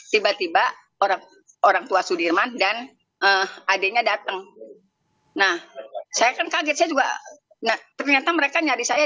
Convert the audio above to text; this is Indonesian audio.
tiba tiba orang orang tua sudirman dan adiknya datang nah saya kan kaget saya juga nah ternyata mereka nyari saya